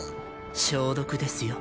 消毒ですよ。